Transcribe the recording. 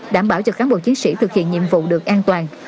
đảm bảo cho cán bộ chiến sĩ thực hiện nhiệm vụ được an toàn